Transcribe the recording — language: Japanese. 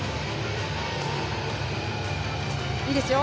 いいですよ。